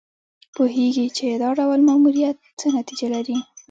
پوهېږي چې دا ډول ماموریت څه نتیجه لري.